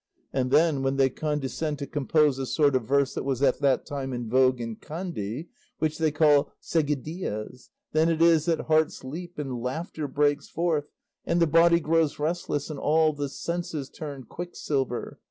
And then, when they condescend to compose a sort of verse that was at that time in vogue in Kandy, which they call seguidillas! Then it is that hearts leap and laughter breaks forth, and the body grows restless and all the senses turn quicksilver.